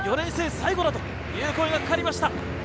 ４年生最後だという声がかかりました。